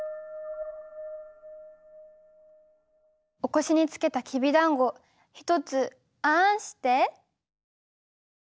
お腰につけたきびだんご一つあんして？